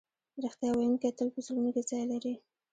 رښتیا ویونکی تل په زړونو کې ځای لري.